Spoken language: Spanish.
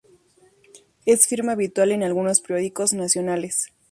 Es firma habitual en algunos periódicos nacionales.